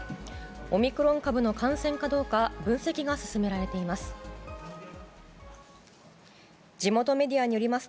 オミクロン株の感染かどうか分析が進められています。